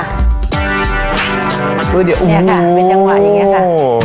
มัดด้วยเนี่ยค่ะเป็นจังหวะอย่างเงี้ยค่ะ